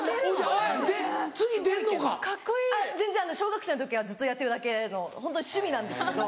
あっ全然小学生の時からずっとやってるだけのホントに趣味なんですけど。